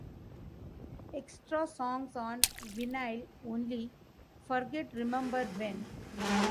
Extra song on vinyl only: "Forget Remember When"